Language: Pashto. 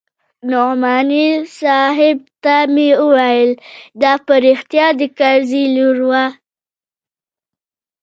نعماني صاحب ته مې وويل دا په رښتيا د کرزي لور وه.